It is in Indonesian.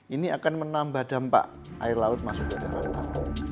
ini akan menambah dampak air laut masuk ke daratan